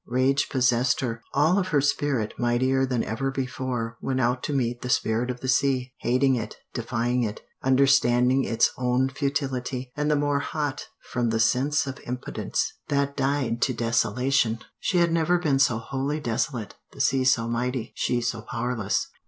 Rage possessed her. All of her spirit, mightier than ever before, went out to meet the spirit of the sea hating it, defying it, understanding its own futility, and the more hot from the sense of impotence. That died to desolation. She had never been so wholly desolate the sea so mighty, she so powerless.